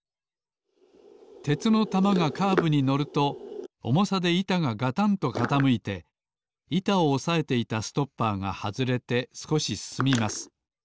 鉄の玉がカーブにのるとおもさでいたががたんとかたむいていたをおさえていたストッパーがはずれてすこしすすみます。